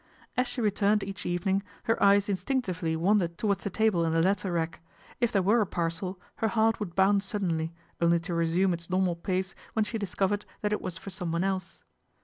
As she returned each evening, her eyes instinc tively wandered towards the table and the letter rack. If there were a parcel, her heart would bound suddenly, only to resume its normal pace when she discovered that it was for someone else.